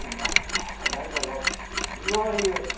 あ何かこう呼ばれゆうがじゃ。